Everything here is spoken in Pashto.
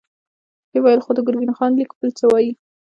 ويې ويل: خو د ګرګين خان ليک بل څه وايي.